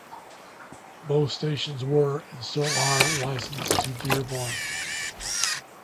Both stations were, and still are, licensed to Dearborn.